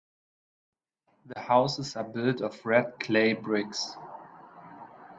The houses are built of red clay bricks.